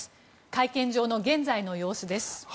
会見場の現在の様子です。